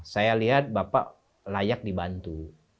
saya lihat bapak layak dibantu